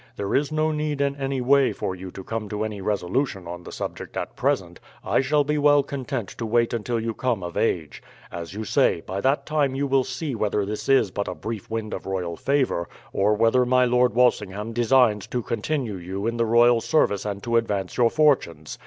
"There is no need in any way for you to come to any resolution on the subject at present; I shall be well content to wait until you come of age. As you say, by that time you will see whether this is but a brief wind of royal favour, or whether my Lord Walsingham designs to continue you in the royal service and to advance your fortunes.